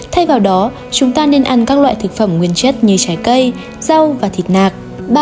thay vào đó chúng ta nên ăn các loại thực phẩm nguyên chất như trái cây rau và thịt nạc